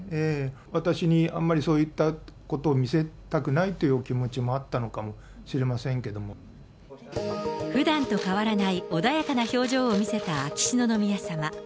私にあんまりそういったことを見せたくないというお気持ちもあっふだんと変わらない穏やかな表情を見せた、秋篠宮さま。